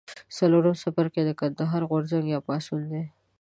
څلورم څپرکی د کندهار غورځنګ یا پاڅون دی.